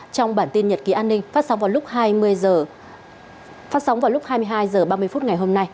trong bản tin nhật ký an ninh phát sóng vào lúc hai mươi hai h ba mươi phút ngày hôm nay